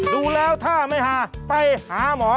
ดูแล้วถ้าไม่หาไปหาหมอ